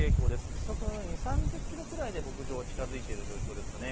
時速２０、３０キロくらいで北上近づいている状況ですよね。